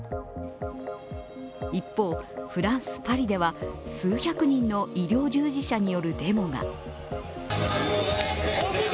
一方、フランス・パリでは数百人の医療従事者によるデモが。